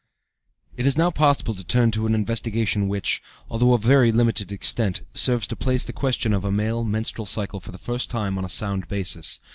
It is now possible to turn to an investigation which, although of very limited extent, serves to place the question of a male menstrual cycle for the first time on a sound basis.